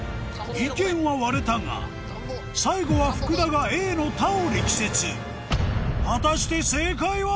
意見は割れたが最後は福田がＡの「田」を力説果たして正解は？